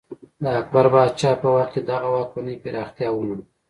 د اکبر پاچا په وخت کې دغه واکمنۍ پراختیا ومونده.